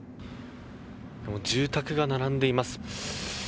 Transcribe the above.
住宅が並んでいます。